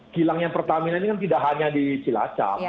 kilang yang pertamina ini kan tidak hanya di cilacap